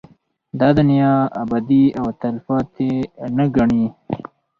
دا دنيا ابدي او تلپاتې نه گڼي